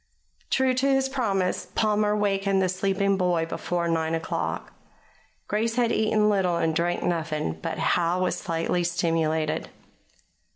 True to his promise, Palmer wakened the sleeping boy before nine o'clock. Grace had eaten little and drunk nothing; but Howe was slightly stimulated.